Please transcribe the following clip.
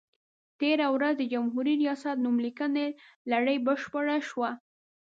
تېره ورځ د جمهوري ریاست نوم لیکنې لړۍ بشپړه شوه.